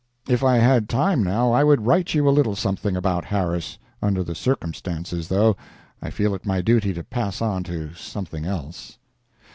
If I had time now I would write you a little something about Harris. Under the circumstances, though, I feel it my duty to pass on to some thingelse.